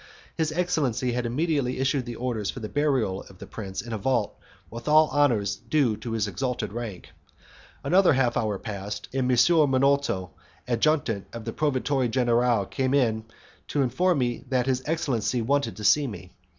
His excellency had immediately issued his orders for the burial of the prince in a vault with all the honours due to his exalted rank. Another half hour passed, and M. Minolto, adjutant of the proveditore generale, came to inform me that his excellency wanted to see me.